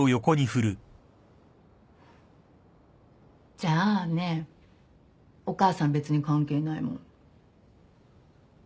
じゃあねお母さん別に関係ないもん。